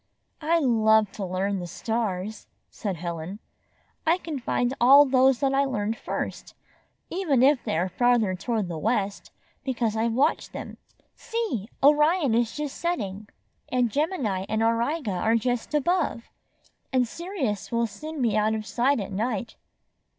"I love to learn the stars," said Helen. "I can find all those I learned first, even if they are farther toward the west, because I've watched them. See! Orion is just setting, and Gemini and Am iga are just above. And Sirius will soon be out of sight at night."